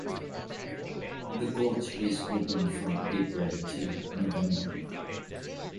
The gorge is open from April till November.